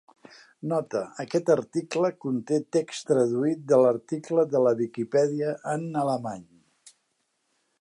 "Nota: aquest article conté text traduït de l'article de la Viquipèdia en alemany".